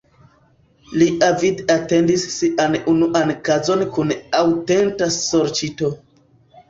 Li avide atendis sian unuan kazon kun aŭtenta sorĉito.